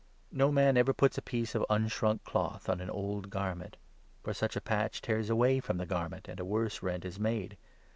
No 16 man ever puts a piece of unshrunk cloth on an old garment ; for such a patch tears away from the garment, and a worse rent is made.